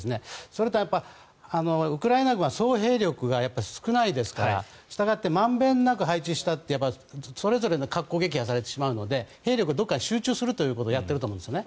それとウクライナ軍は総兵力が少ないですからしたがって満遍なく配置したってそれぞれの攻撃で破壊されてしまうので兵力をどこかに集中するということをやっているんですね。